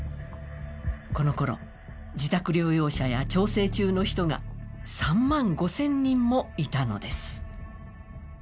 このころ、自宅療養者や調整中の人が３万５０００人もいたのです。